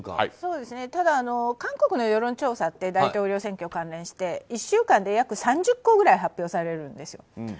ただ、韓国の世論調査って大統領選挙関連して１週間で約３０個ぐらい発表されるんですよ。